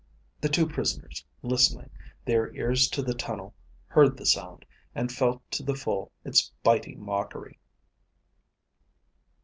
The two prisoners, listening, their ears to the tunnel, heard the sound, and felt to the full its biting mockery.